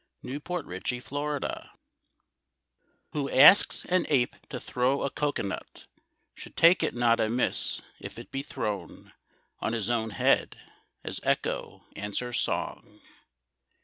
THE STORY OF A LIE Who asks an ape to throw a coco nut Should take it not amiss if it be thrown On his own head, as echo answers song.